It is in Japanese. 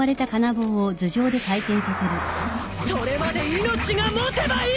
それまで命が持てばいい！